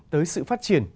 tới sự phát triển